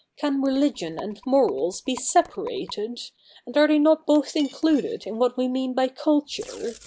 Can religion and morals be separated? and are not they both included in what we mean by culture?